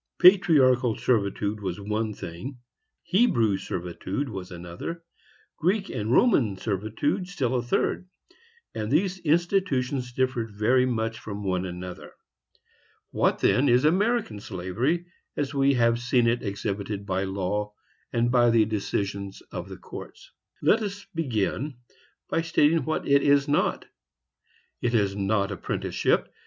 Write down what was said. Patriarchal servitude was one thing, Hebrew servitude was another, Greek and Roman servitude still a third; and these institutions differed very much from each other. What, then, is American slavery, as we have seen it exhibited by law, and by the decisions of courts? Let us begin by stating what it is not. 1. It is not apprenticeship.